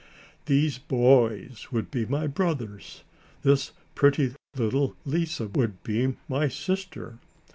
These boys would be my brothers. This pretty little Lise would be my sister.